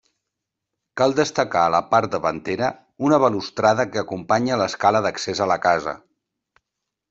Cal destacar a la part davantera una balustrada que acompanya l'escala d'accés a la casa.